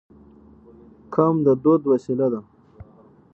قوم د دوی وسیله ده.